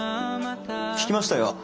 聞きましたよ。